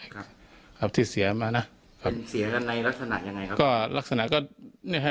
ครับครับที่เสียมานะครับเสียกันในลักษณะยังไงครับก็ลักษณะก็เนี่ยฮะ